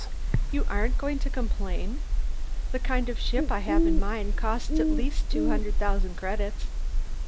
"You aren't going to complain? The kind of ship I have in mind costs at least two hundred thousand credits."